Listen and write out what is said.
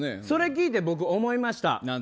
それ聞いて思いました。